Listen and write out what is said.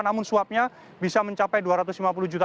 namun suapnya bisa mencapai dua ratus lima puluh juta